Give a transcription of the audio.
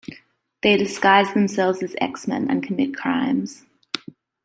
They disguise themselves as X-Men and commit crimes.